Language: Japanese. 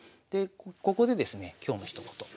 ここでですね今日のひと言。